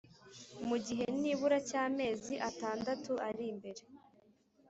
mu gihe nibura cy’amezi atandatu ari imbere,